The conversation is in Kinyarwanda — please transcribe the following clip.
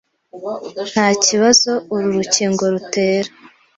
ntakibazo uru rukingo rutera